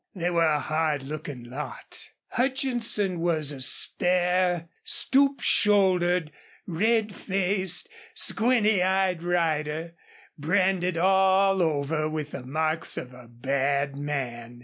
They were a hard looking lot. Hutchinson was a spare, stoop shouldered, red faced, squinty eyed rider, branded all over with the marks of a bad man.